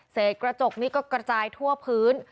กระจกนี้ก็กระจายทั่วพื้น